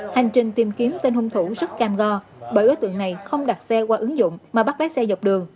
hành trình tìm kiếm tên hung thủ rất cam go bởi đối tượng này không đặt xe qua ứng dụng mà bắt bé xe dọc đường